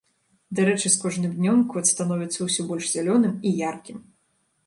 Дарэчы, з кожным днём кот становіцца ўсё больш зялёным і яркім.